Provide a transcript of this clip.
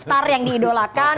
ada star yang diidolakan